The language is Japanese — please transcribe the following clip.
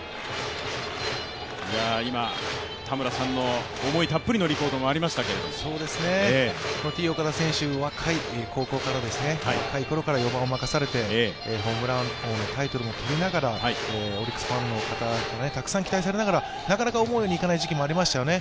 今、たむらさんの思いたっぷりのリポートもありましたけど、Ｔ−岡田選手、高校の若いころから４番を任されて、ホームラン王のタイトルも取りながら、オリックスファンにたくさん期待されながら、なかなか思うようにいかない時期もありましたよね。